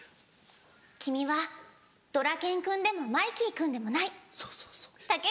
「君はドラケン君でもマイキー君でもない」。